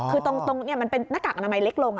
คือตรงมันเป็นหน้ากากอนามัยเล็กลง